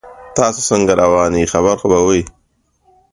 تاسو څنګه روان یې خیر خو به وي